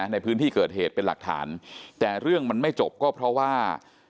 ในพื้นที่เกิดเหตุเป็นหลักฐานแต่เรื่องมันไม่จบก็เพราะว่า